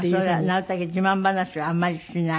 なるたけ自慢話はあんまりしない。